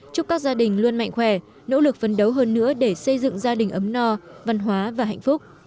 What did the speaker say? chúc các gia đình luôn mạnh khỏe nỗ lực phấn đấu hơn nữa để xây dựng gia đình ấm no văn hóa và hạnh phúc